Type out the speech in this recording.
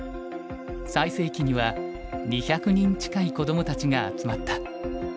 最盛期には２００人近い子どもたちが集まった。